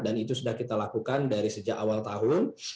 dan itu sudah kita lakukan dari sejak awal tahun